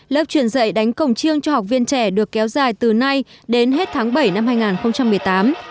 lớp truyền dạy đánh cồng chiêng cho học viên trẻ được kéo dài từ nay đến hết tháng bảy năm hai nghìn một mươi tám